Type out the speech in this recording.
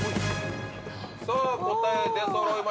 さぁ答え出そろいました。